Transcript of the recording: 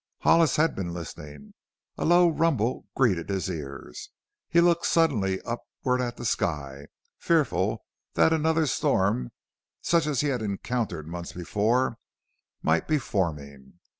Hollis had been listening. A low rumble greeted his ears. He looked suddenly upward at the sky, fearful that another storm, such as he had encountered months before, might be forming.